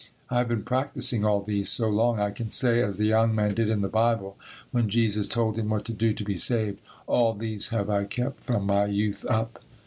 I have been practising all these so long I can say, as the young man did in the Bible when Jesus told him what to do to be saved, "all these have I kept from my youth up."